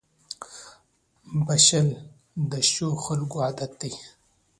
• بښل د ښو خلکو عادت دی.